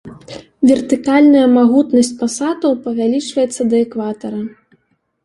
Вертыкальная магутнасць пасатаў павялічваецца да экватара.